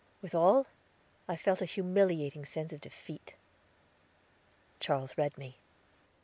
Withal, I felt a humiliating sense of defeat. Charles read me.